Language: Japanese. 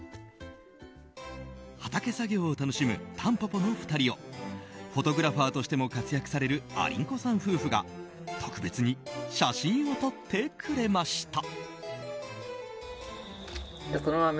畑作業を楽しむたんぽぽの２人をフォトグラファーとしても活躍される、ありんこさん夫婦が特別に写真を撮ってくれました。